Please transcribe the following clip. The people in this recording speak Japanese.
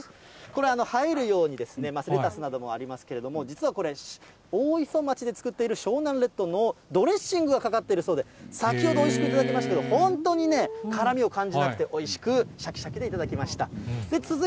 これ、映えるように、レタスなどもありますけれども、実はこれ、大磯町で作っている湘南レッドのドレッシングがかかっているそうで、先ほど、おいしく頂きましたけど、本当にね、辛みを感じなくておいしくしゃきしゃきを頂きました。